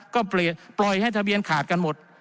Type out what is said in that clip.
ก็ปล่อยให้ทะเบียนขาดกันหมด